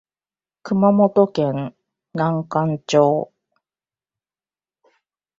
熊本県南関町